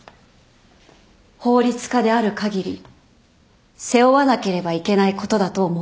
法律家である限り背負わなければいけないことだと思う。